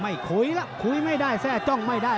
คุยแล้วคุยไม่ได้แทร่จ้องไม่ได้